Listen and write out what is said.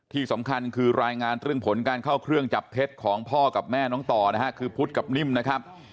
ที่สำคัญคือรายงานเรื่องผลการเข้าเครื่องจับเท็จของพ่อกับแม่น้องต่อนะฮะคือพุทธกับนิ่มนะครับ